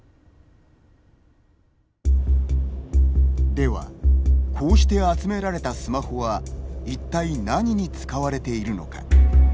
ではこうして集められたスマホは一体何に使われているのか。